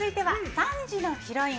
３時のヒロイン。